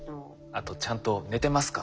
あとちゃんと寝てますか？